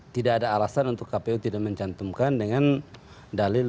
tidak ada alasan untuk kpu tidak mencantumkan dengan dalil